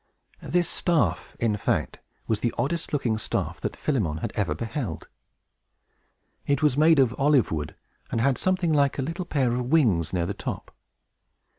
This staff, in fact, was the oddest looking staff that Philemon had ever beheld. It was made of olive wood, and had something like a little pair of wings near the top.